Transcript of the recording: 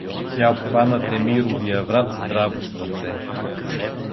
Тя обхвана Темировия врат здраво с ръце.